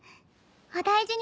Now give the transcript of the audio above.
お大事にね。